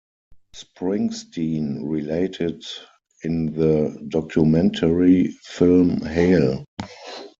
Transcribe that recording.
Springsteen related in the documentary film Hail!